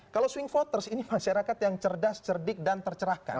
kalau swing voters ini masyarakat yang cerdas cerdik dan tercerahkan